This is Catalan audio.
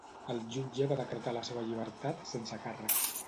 El jutge va decretar la seva llibertat sense càrrecs.